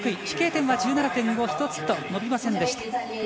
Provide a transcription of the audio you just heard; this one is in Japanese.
飛型点は１７．５、１つと伸びませんでした。